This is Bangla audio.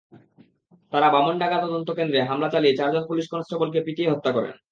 তাঁরা বামনডাঙ্গা তদন্তকেন্দ্রে হামলা চালিয়ে চারজন পুলিশ কনস্টেবলকে পিটিয়ে হত্যা করেন।